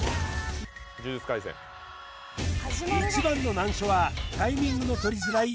一番の難所はタイミングの取りづらい